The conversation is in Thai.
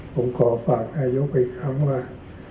ผมขอฝากนายกอีกครั้งว่า